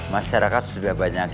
masyarakat sudah banyak